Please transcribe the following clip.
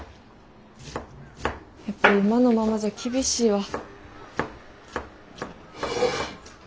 やっぱ今のままじゃ厳しいわ。